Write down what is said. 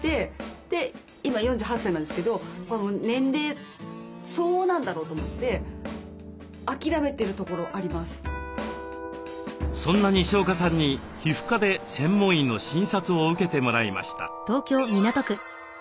で今４８歳なんですけど年齢相応なんだろうと思ってそんなにしおかさんに皮膚科で専門医の診察を受けてもらいました。